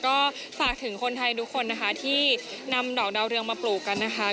ก็ฝากถึงคนไทยทุกคนนะคะที่นำดอกดาวเรืองมาปลูกกันนะคะ